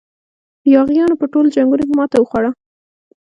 یاغیانو په ټولو جنګونو کې ماته وخوړه.